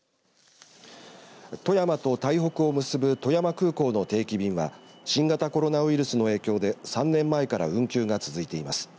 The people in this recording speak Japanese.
富山と台北を結ぶ富山空港の定期便は新型コロナウイルスの影響で３年前から運休が続いています。